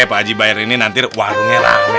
pak aji bayarin ini nanti warungnya rame